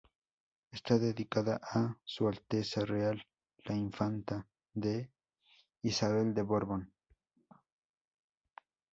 Está dedicada "A su Alteza Real la Infanta D.ª Isabel de Borbón.